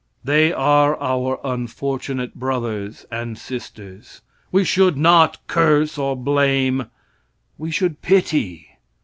They are our unfortunate brothers and sisters. We should not curse or blame we should pity.